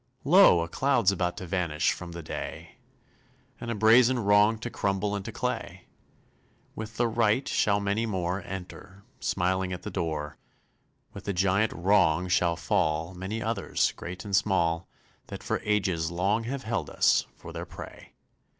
Lo! a cloud's about to vanish From the day; And a brazen wrong to crumble Into clay! With the Right shall many more Enter, smiling at the door; With the giant Wrong shall fall Many others great and small, That for ages long have held us For their prey.